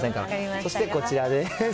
そしてこちらです。